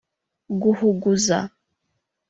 guhuguza